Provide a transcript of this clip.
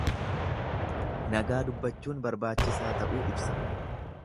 Nagaa dubbachuun barbaachisaa ta'uu ibsa.